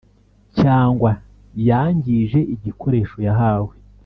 Cyangwa yangije igikoresho yahawe